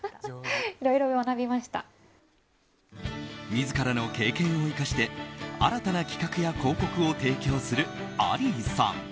自らの経験を生かして新たな企画や広告を提供するアリーさん。